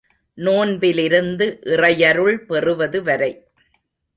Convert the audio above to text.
நோன்பிலிருந்து இறையருள் பெறுவது வரை.